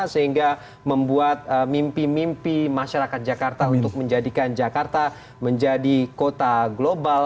sehingga membuat mimpi mimpi masyarakat jakarta untuk menjadikan jakarta menjadi kota global